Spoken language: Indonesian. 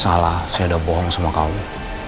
saya salah saya udah bohong sama kamu